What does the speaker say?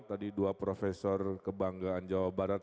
tadi dua profesor kebanggaan jawa barat